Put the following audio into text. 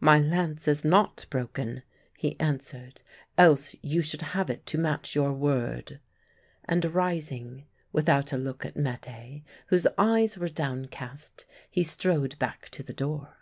"My lance is not broken," he answered; "else you should have it to match your word." And rising, without a look at Mette, whose eyes were downcast, he strode back to the door.